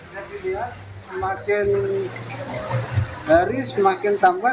jadi lihat semakin hari semakin tambah